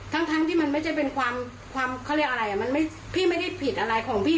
ทั้งที่มันไม่ใช่เป็นความเขาเรียกอะไรมันพี่ไม่ได้ผิดอะไรของพี่